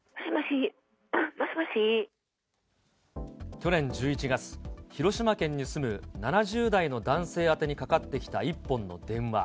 去年１１月、広島県に住む７０代の男性宛てにかかってきた１本の電話。